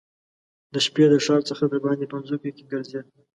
د شپې د ښار څخه دباندي په مځکو کې ګرځېد.